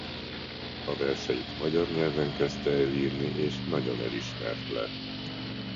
A verseit magyar nyelven kezdte el írni és nagyon elismert lett.